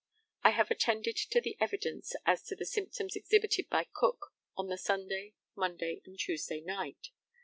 I have attended to the evidence as to the symptoms exhibited by Cook on the Sunday, Monday, and Tuesday night.